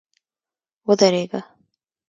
ودرېږه!